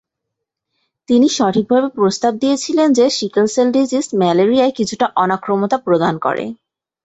তিনি সঠিকভাবে প্রস্তাব দিয়েছিলেন যে সিকেল-সেল ডিজিজ ম্যালেরিয়ায় কিছুটা অনাক্রম্যতা প্রদান করে।